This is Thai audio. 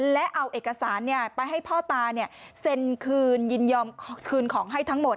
และเอาเอกสารไปให้พ่อตาเซ็นคืนยินยอมคืนของให้ทั้งหมด